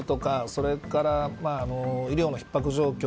それから医療の逼迫状況